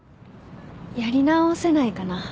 やり直せないかな？